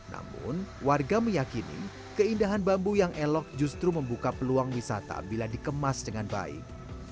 namun warga meyakini keindahan bambu yang elok justru membuka peluang wisata bila dikemas dengan baik